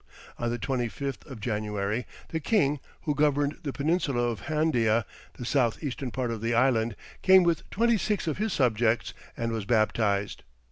On the 25th of January the king who governed the peninsula of Handia, the south eastern part of the island, came with twenty six of his subjects, and was baptized.